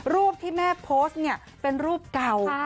รูปที่แม่โพสต์เนี่ยเป็นรูปเก่า